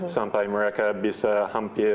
sampai mereka bisa hampir